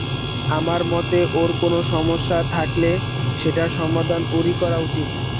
আমার মতে ওর কোনো সমস্যা থাকলে, সেটার সমাধান ওরই করা উচিত।